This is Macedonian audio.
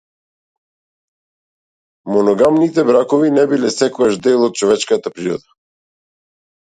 Моногамните бракови не биле секогаш дел од човечката природа.